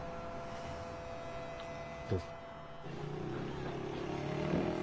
どうぞ。